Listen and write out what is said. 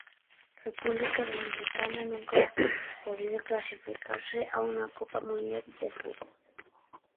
República Dominicana nunca ha podido clasificarse a una Copa Mundial de Fútbol.